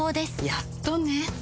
やっとね